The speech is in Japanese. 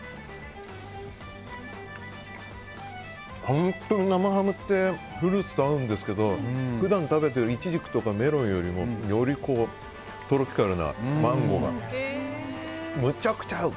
本当に生ハムってフルーツと合うんですけど普段、食べてるイチジクとかメロンよりもよりトロピカルなマンゴーがむちゃくちゃ合う！